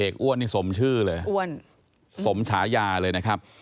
เอกอ้วนนี่สมชื่อเลยสมฉายาเลยนะครับ